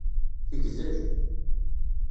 Tegdel.